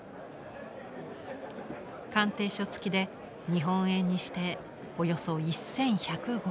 鑑定書つきで日本円にしておよそ１，１５０万円。